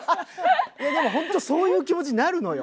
でも本当そういう気持ちになるのよ。